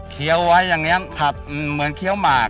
เขียวไว้อย่างเงี้ยครับอืมเหมือนเขียวหมาก